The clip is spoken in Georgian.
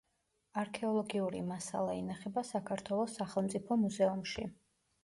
არქეოლოგიური მასალა ინახება საქართველოს სახელმწიფო მუზეუმში.